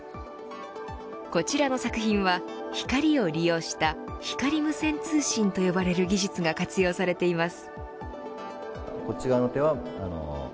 こちらの作品は光を利用した光無線通信と呼ばれる技術が活用されています。